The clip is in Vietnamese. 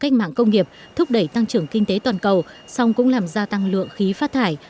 cách mạng công nghiệp thúc đẩy tăng trưởng kinh tế toàn cầu song cũng làm gia tăng lượng khí phát thải